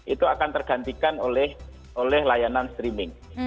itu akan tergantikan oleh layanan streaming